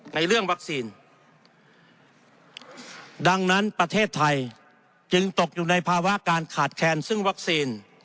ในเรื่องวัคซีนดังนั้นประเทศไทยจึงตกอยู่ในภาวะการขาดแคลนซึ่งวัคซีน